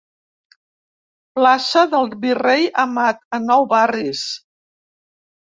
Plaça del Virrei Amat, a Nou Barris.